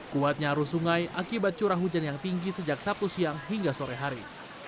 kuatnya arus sungai akibat curah hujan yang tinggi sejak sabtu siang hingga sore hari